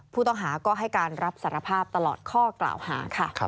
ผู้ต้องหาก็ให้การรับสารภาพตลอดข้อกล่าวหาค่ะ